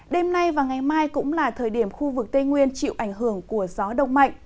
đêm nay và ngày mai cũng là thời điểm khu vực tây nguyên chịu ảnh hưởng của gió đông mạnh